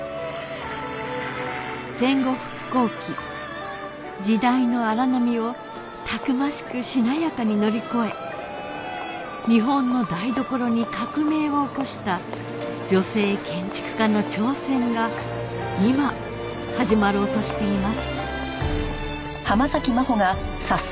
戦後復興期時代の荒波をたくましくしなやかに乗り越え日本の台所に革命を起こした女性建築家の挑戦が今始まろうとしています